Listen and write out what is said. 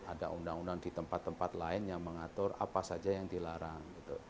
ada undang undang di tempat tempat lain yang mengatur apa saja yang dilarang